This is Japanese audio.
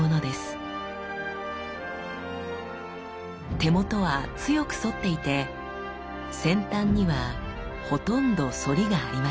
手元は強く反っていて先端にはほとんど反りがありません。